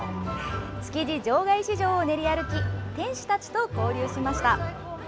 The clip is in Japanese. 築地場外市場を練り歩き店主たちと交流しました。